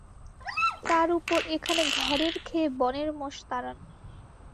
তার উপর এখানে ঘরের খেয়ে বনের মোষ তাড়ান।